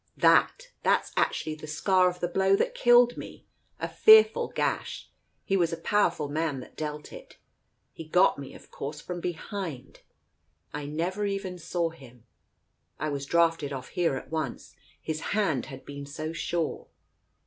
"That ! That's actually the scar of the blow that killed me. A fearful gash I He was a powerful man that dealt it. He got me, of course, from behind. I never even saw him. I was drafted off here at once, his hand had been so sure."